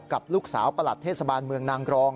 กับลูกสาวประหลัดเทศบาลเมืองนางกรอง